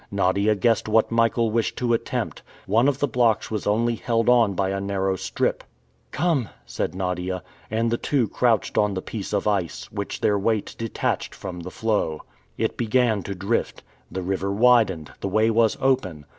Nadia guessed what Michael wished to attempt. One of the blocks was only held on by a narrow strip. "Come," said Nadia. And the two crouched on the piece of ice, which their weight detached from the floe. It began to drift. The river widened, the way was open.